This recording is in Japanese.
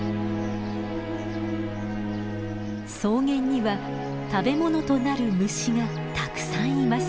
草原には食べ物となる虫がたくさんいます。